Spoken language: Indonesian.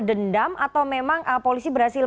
dendam atau memang polisi berhasil